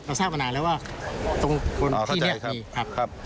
เราทราบมานานแล้วว่าตรงที่เนี่ยมีครับ